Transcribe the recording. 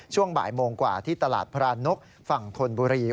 ช่วงบ่ายโมงกว่าที่ตลาดพรานนกฝั่งธนบุรี